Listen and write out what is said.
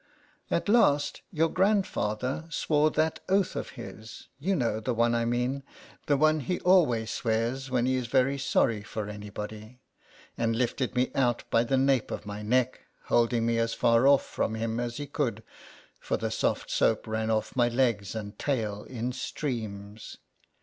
At last your grandfather swore that oath of his, you know the one I mean, the one he always swears when he is very sorry for anybody, and lifted me out by the nape of my neck, holding me as far off from him as he could, for the soft soap ran off my legs and tail in streams.